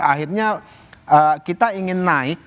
akhirnya kita ingin naik